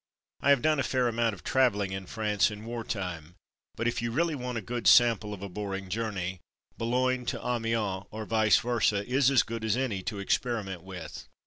I have done a fair amount of travelling in France in war time, but if you really want a good sample of a boring journey, Boulogne to Amiens or vice versa is as good as any to experiment with.